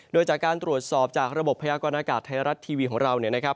โดยจากการตรวจสอบจากระบบพยากรณากาศไทยรัฐทีวีของเราเนี่ยนะครับ